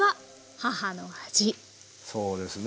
そうですね。